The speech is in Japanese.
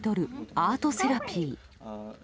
アートセラピー。